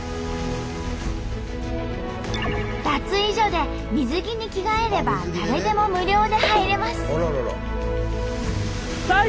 脱衣所で水着に着替えれば誰でも無料で入れます。